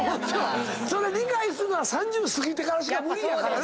それ理解するのは３０過ぎてからしか無理やからな。